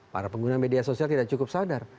para pengguna media sosial tidak cukup sadar